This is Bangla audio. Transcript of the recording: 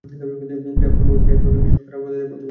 যার ফলে মৌসুমটি এক প্রকার ভীষণ খরার মধ্য দিয়ে অতিবাহিত হয়।